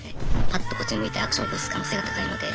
パッとこっち向いてアクション起こす可能性が高いので。